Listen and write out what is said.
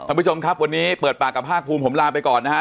คุณผู้ชมครับวันนี้เปิดปากกับภาคภูมิผมลาไปก่อนนะฮะ